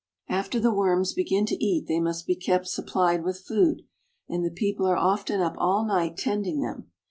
After the worms begin to eat they must be kept supplied with food, and the people are often up all night tending them.